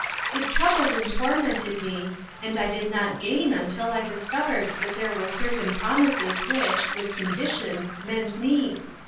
It troubled and tormented me, and I did not gain until I dis covered that there were certain promises which, with conditions, meant me.